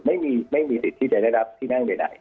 ไม่มีสิทธิ์ที่จะได้รับที่นั่งใด